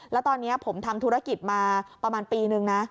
แล้วตอนนี้ผมทำธุรกิจมาประมาณปีนึงนะ